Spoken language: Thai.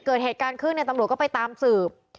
พอเกิดเหตุการน์ขึ้นตำรวจก็ไปตามสืบ